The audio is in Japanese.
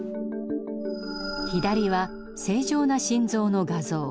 左は正常な心臓の画像。